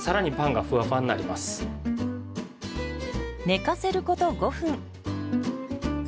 寝かせること５分。